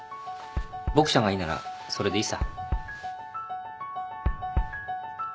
ボクちゃんがいいならそれでいいさ。